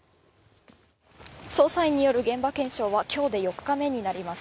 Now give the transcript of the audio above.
捜査員による現場検証は今日で４日目になります。